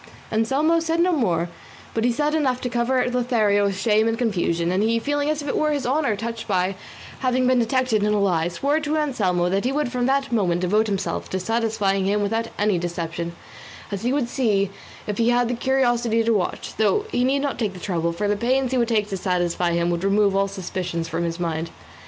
Anselmo said no more, but he had said enough to cover Lothario with shame and confusion, and he, feeling as it were his honour touched by having been detected in a lie, swore to Anselmo that he would from that moment devote himself to satisfying him without any deception, as he would see if he had the curiosity to watch; though he need not take the trouble, for the pains he would take to satisfy him would remove all suspicions from his mind.